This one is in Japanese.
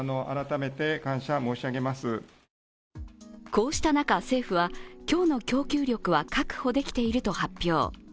こうした中、政府は今日の供給力は確保できていると発表。